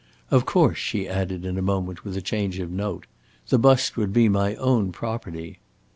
"Of course," she added, in a moment, with a change of note, "the bust would be my own property."